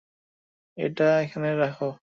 এটা এখানে রাখো।